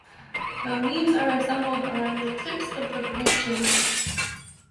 The leaves are assembled around the tips of the branches.